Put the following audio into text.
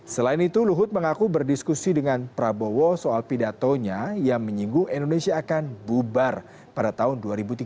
selain itu luhut mengaku berdiskusi dengan prabowo soal pidatonya yang menyinggung indonesia akan bubar pada tahun dua ribu tiga puluh